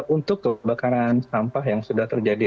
untuk tuh bakaran sampah yang sudah terjadi